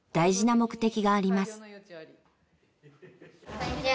こんにちは。